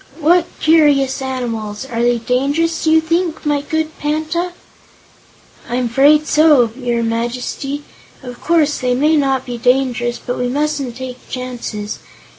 "What curious animals! Are they dangerous, do you think, my good Panta?" "I'm 'fraid so, your Majesty. Of course, they may not be dangerous, but we mustn't take chances.